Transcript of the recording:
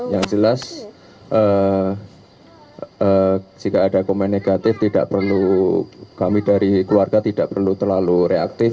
yang jelas jika ada komen negatif tidak perlu kami dari keluarga tidak perlu terlalu reaktif